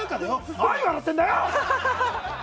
何、笑ってんだよ！